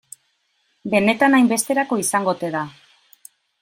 Benetan hainbesterako izango ote da?